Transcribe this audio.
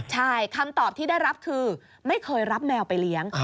ใช่คำตอบที่ได้รับคือไม่เคยรับแมวไปเลี้ยง